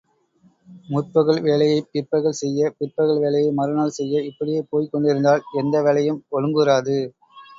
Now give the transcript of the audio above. முற்பகல் வேலையைப் பிற்பகல் செய்ய, பிற்பகல் வேலையை மறுநாள் செய்ய, இப்படியே போய்க்கொண்டிருந்தால், எந்த வேலையும் ஒழுங்குறாது.